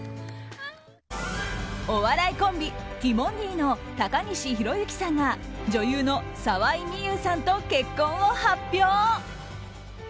お笑いコンビ、ティモンディの高岸宏行さんが女優の沢井美優さんと結婚を発表。